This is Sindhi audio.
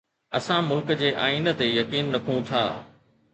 اسان ملڪ جي آئين تي يقين رکون ٿا.